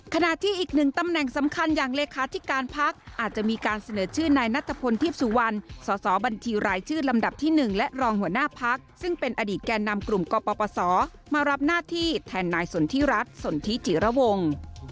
ขณะที่อีกหนึ่งตำแหน่งสำคัญอย่างเลขาธิการพักอาจจะมีการเสนอชื่อนายนัทพลทีพสุวรรณสอสอบัญชีรายชื่อลำดับที่๑และรองหัวหน้าพักซึ่งเป็นอดีตแก่นำกลุ่มกปศมารับหน้าที่แทนนายสนทิรัฐสนทิจิระวง